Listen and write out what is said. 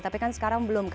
tapi kan sekarang belum